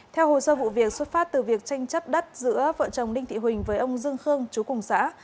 theo hồ sơ vụ việc xuất phát từ việc tranh chấp đất giữa vợ chồng đinh thị huỳnh với ông dương khương chú cùng xã